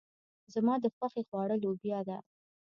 زما د خوښې خواړه لوبيا ده.